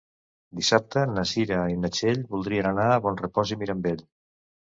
Dissabte na Cira i na Txell voldrien anar a Bonrepòs i Mirambell.